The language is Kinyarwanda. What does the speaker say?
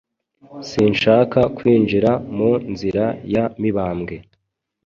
Sinshaka kwinjira mu nzira ya Mibambwe.